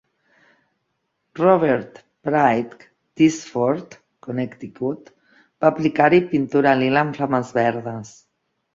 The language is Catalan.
Robert Pradke, d'Eastford, Connecticut, va aplicar-hi pintura lila amb flames verdes.